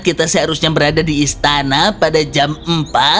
kita seharusnya berada di istana pada jam empat